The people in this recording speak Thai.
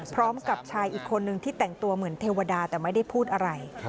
พร้อมกับชายอีกคนนึงที่แต่งตัวเหมือนเทวดาแต่ไม่ได้พูดอะไร